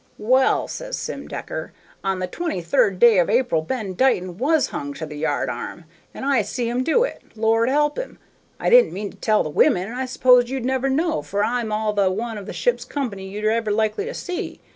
"'Well,' says Sim Decker, 'on the twenty third day of April Ben Dighton was hung to the yard arm, and I see 'em do it, Lord help him! I didn't mean to tell the women, and I s'posed you'd never know, for I'm all the one of the ship's company you're ever likely to see.